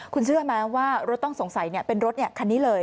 คุณเชื่อไหมว่ารถต้องสงสัยเป็นรถคันนี้เลย